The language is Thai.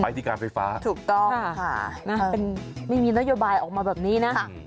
ที่การไฟฟ้าถูกต้องค่ะนะไม่มีนโยบายออกมาแบบนี้นะ